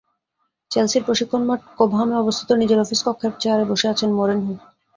চেলসির প্রশিক্ষণ মাঠ কোবহামে অবস্থিত নিজের অফিস কক্ষের চেয়ারে বসে আছেন মরিনহো।